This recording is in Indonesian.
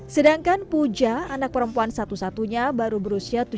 sedangkan puja anak perempuan satu satunya baru berusia tujuh belas tahun